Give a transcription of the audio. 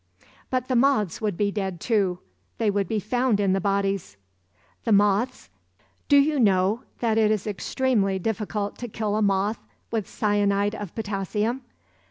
"But the moths would be dead too. They would be found in the bodies." "The moths? Do you know that it is extremely difficult to kill a moth with cyanide of potassium?